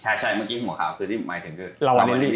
ใช่เมื่อกี้หัวขาวที่มายเท็นเกอร์